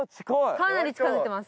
かなり近づいてます。